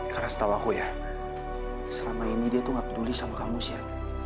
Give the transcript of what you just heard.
karena setahu aku ya selama ini dia tuh nggak peduli sama kamu sya